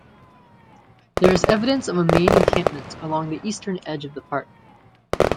There is evidence of a main encampment along the eastern edge of the park.